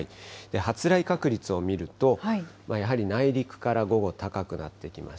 発雷確率を見ると、やはり内陸から午後、高くなってきます。